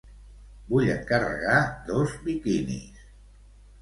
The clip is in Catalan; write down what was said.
Vull encarregar dos biquinis.